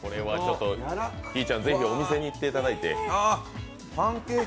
ひぃちゃん、ぜひお店に行っていただいて。